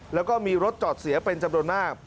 แล้วก็มีรถจอดเสียเป็นจำนวนมาก